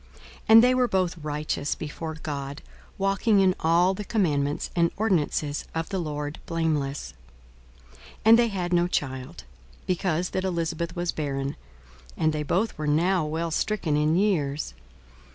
42:001:006 And they were both righteous before God, walking in all the commandments and ordinances of the Lord blameless. 42:001:007 And they had no child, because that Elisabeth was barren, and they both were now well stricken in years.